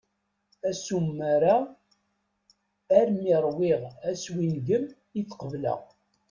Assumer-a, armi ṛwiɣ aswingem i t-qebeleɣ.